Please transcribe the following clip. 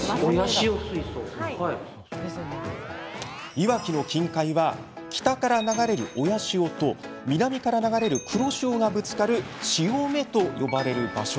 いわきの近海は北から流れる親潮と南から流れる黒潮がぶつかる潮目と呼ばれる場所。